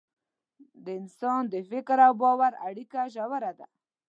د انسان د فکر او باور اړیکه ژوره ده.